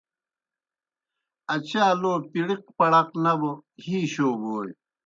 اچا لو پِڑِق پَڑَق نہ بو ہی شو بوئے۔